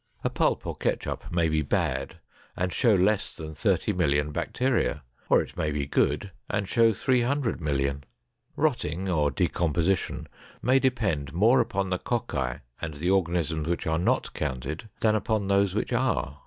A pulp or ketchup may be bad and show less than 30,000,000 bacteria, or it may be good and show 300,000,000. Rotting, or decomposition, may depend more upon the cocci and the organisms which are not counted than upon those which are.